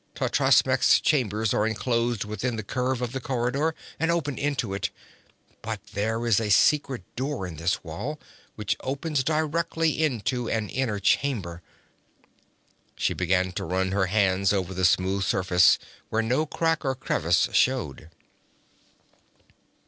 Totrasmek's chambers are enclosed within the curve of the corridor and open into it. But there is a secret door in this wall which opens directly into an inner chamber ' She began to run her hands over the smooth surface, where no crack or crevice showed.